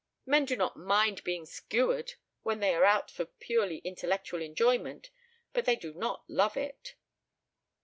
Men do not mind being skewered when they are out for purely intellectual enjoyment, but they do not love it."